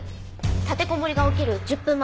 立てこもりが起きる１０分前。